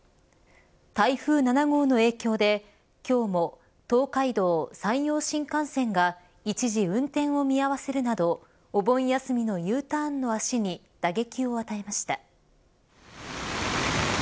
台風７号の影響で今日も東海道・山陽新幹線が一時運転を見合わせるなどお盆休みのＵターンの足に打撃を与えました。